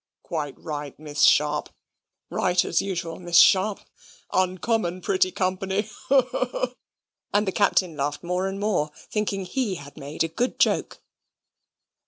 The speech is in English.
"Quite right, Miss Sharp. Right, as usual, Miss Sharp. Uncommon pretty company haw, haw!" and the Captain laughed more and more, thinking he had made a good joke.